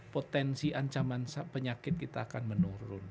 potensi ancaman penyakitnya akan menurun